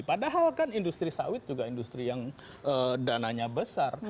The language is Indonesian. padahal kan industri sawit juga industri yang dananya besar